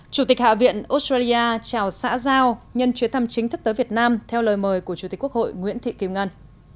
chủ tịch hạ viện australia chào xã giao nhân chuyến thăm chính thức tới việt nam theo lời mời của chủ tịch quốc hội nguyễn thị kim ngân